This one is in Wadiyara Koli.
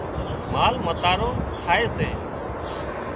مال متارو ٿائي سي